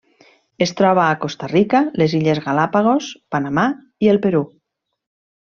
Es troba a Costa Rica, les Illes Galápagos, Panamà i el Perú.